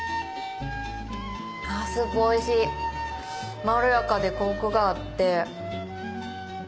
スープおいしいまろやかでコクがあって。